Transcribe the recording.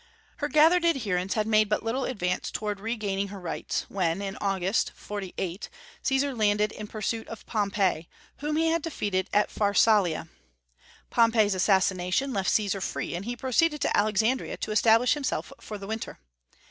Her gathered adherents had made but little advance towards regaining her rights when, in August, 48, Caesar landed in pursuit of Pompey, whom he had defeated at Pharsalia. Pompey's assassination left Caesar free, and he proceeded to Alexandria to establish himself for the winter.